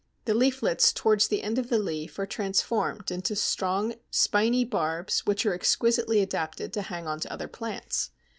The leaflets towards the end of the leaf are transformed into strong spiny barbs which are exquisitely adapted to hang on to other plants.